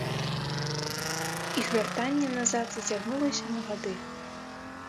Іх вяртанне назад зацягнулася на гады.